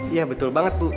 iya betul banget bu